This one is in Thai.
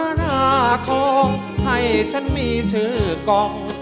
ภาวนาท้องให้ฉันมีชื่อกล่อง